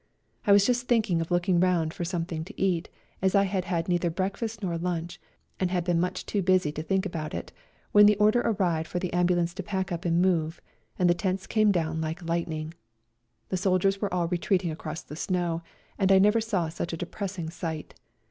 I was just think ing of looking round for something to eat, as I had had neither breakfast nor lunch, and had been much too busy to think about it, when the order arrived for the ambulance to pack up and move, and the tents came down like lightning. The soldiers were all re treating across the snow, and I never saw such a depressing sight.